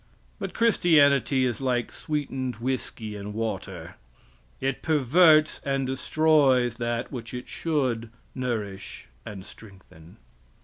But Christianity is like sweetened whisky and water it perverts and destroys that which it should nourish and strengthen.